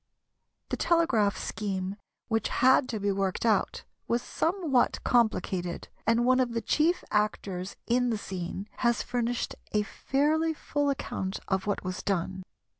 The telegraph scheme which had to be worked out was somewhat complicated, and one of the chief actors in the scene has furnished a fairly full account of what was done.